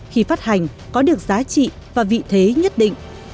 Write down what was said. khi phát hành có được giá trị và vị thế nhất định